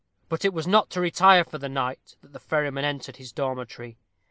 But it was not to retire for the night that the ferryman entered his dormitory.